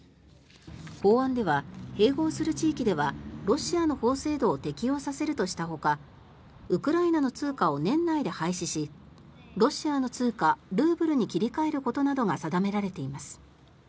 法案では併合する地域ではロシアの法制度を適用させるとしたほかウクライナの通貨を年内で廃止しロシアの通貨、ルーブルに切り替えることなどが定められています。